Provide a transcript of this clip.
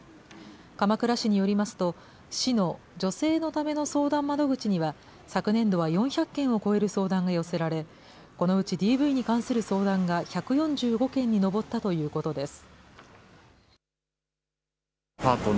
鎌倉市によりますと、市の女性のための相談窓口には、昨年度は４００件を超える相談が寄せられ、このうちＤＶに関する相談が１４５件に上ったということです。